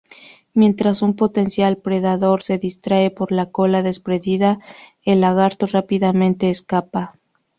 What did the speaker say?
Mientras un potencial predador se distrae por la cola desprendida, el lagarto rápidamente escapa.